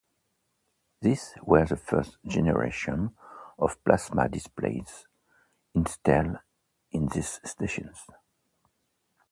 These were the first generation of plasma displays installed in these stations.